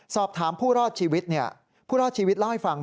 สอบถามผู้รอดชีวิตเนี่ยผู้รอดชีวิตเล่าให้ฟัง